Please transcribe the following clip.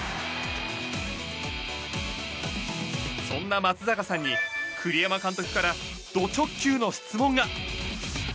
そんな松坂さんに栗山監督からド直球の質問が。